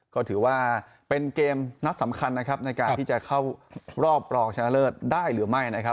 ก็ถือว่าเป็นเกมนัดสำคัญนะครับในการที่จะเข้ารอบรองชนะเลิศได้หรือไม่นะครับ